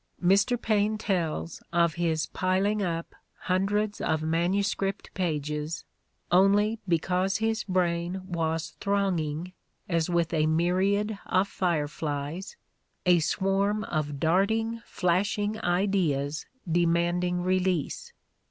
Mr. Paine tells of his "piling up hundreds of manuscript pages only because his brain was throng ing as with a myriad of fireflies, a swarm of darting, flashing ideas demanding release."